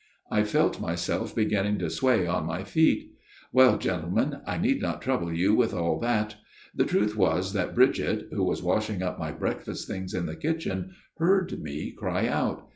" I felt myself beginning to sway on my feet. ... Well, gentlemen, I need not trouble you with all that. The truth was that Bridget, who was washing up my breakfast things in the kitchen, heard me cry out.